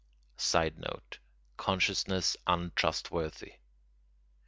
[Sidenote: Consciousness untrustworthy.